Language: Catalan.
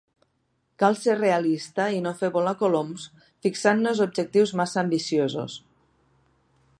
Cal ser realista i no fer volar coloms fixant-nos objectius massa ambiciosos.